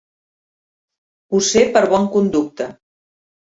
Ho sé per bon conducte.